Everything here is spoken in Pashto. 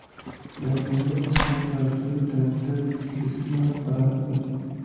له جمهوریت څخه امپراتورۍ ته ورتګ استثمار پراخ کړ